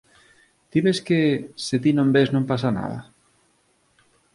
Ti ves que, se ti non vés, non pasa nada?